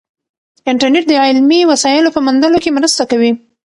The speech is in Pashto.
انټرنیټ د علمي وسایلو په موندلو کې مرسته کوي.